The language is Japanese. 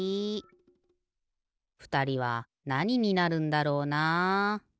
ふたりはなにになるんだろうな。